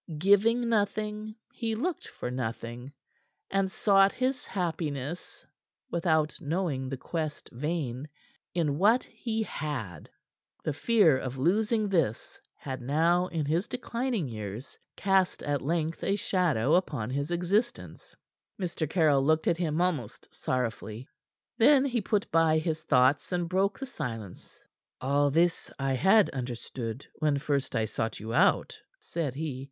Giving nothing, he looked for nothing, and sought his happiness without knowing the quest vain in what he had. The fear of losing this had now in his declining years cast, at length, a shadow upon his existence. Mr. Caryll looked at him almost sorrowfully. Then he put by his thoughts, and broke the silence. "All this I had understood when first I sought you out," said he.